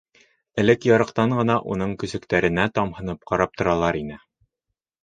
Элек ярыҡтан ғына уның көсөктәренә тамһынып ҡарап торалар ине.